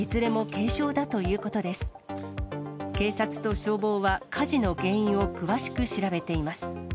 警察と消防は火事の原因を詳しく調べています。